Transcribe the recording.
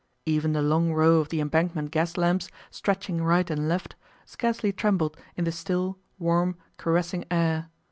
Even the long row of the Embankment gas lamps, stretching right and left, scarcely trembled in the still, warm, caressing air.